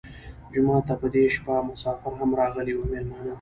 جومات ته په دې شپه مسافر هم راغلي وو مېلمانه.